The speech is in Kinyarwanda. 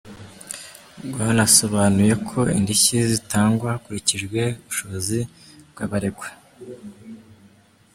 Rwanasobanuye ko indishyi zitangwa hakurikijwe ubushobozi bw’abaregwa.